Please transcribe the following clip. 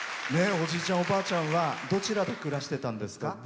おじいちゃん、おばあちゃんはどちらで暮らしてたんですか？